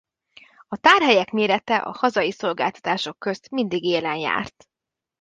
A tárhelyek mérete a hazai szolgáltatások közt mindig élen járt.